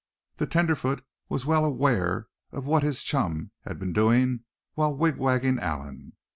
The tenderfoot was well aware of what his chum had been doing while wigwagging Allan.